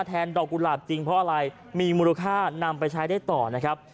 ดอกกุหลาบจริงเพราะอะไรมีมูลค่านำไปใช้ได้ต่อนะครับ